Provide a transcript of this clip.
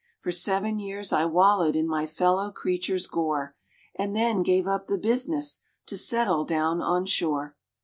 For seven years I wallowed in my fellow creatures' gore, And then gave up the business, to settle down on shore.